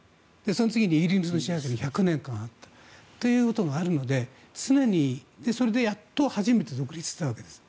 その次にイギリスの支配下に１００年間あったということもあるのでそれでやっと初めて独立したわけです。